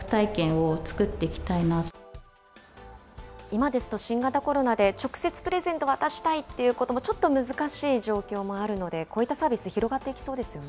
今ですと、新型コロナで直接プレゼント渡したいっていうこともちょっと難しい状況もあるので、こういったサービス、広がっていきそうですよ